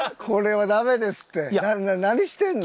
これはダメですって。